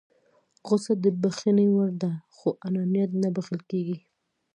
غوسه د بښنې وړ ده خو انانيت نه بښل کېږي.